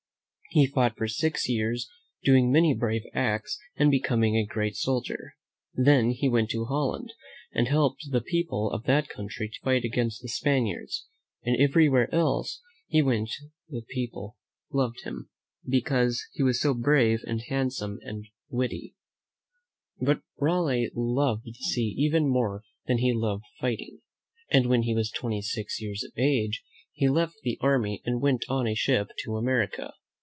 He fought for six years, doing many brave acts and becoming a great soldier. Then he went to Holland and helped the people of that country to fight against the Spaniards; and everywhere he went the people loved him, because he was so brave and handsome and witty. '.«V m^ VAmMHi \K 92 •jr. ; THE BOY WHO LOVED THE SEA ZM M 'J *"♦^ But Raleigh loved the sea even more than he loved fighting, and when he was twenty six years of age, he left the army and went on a ship to America.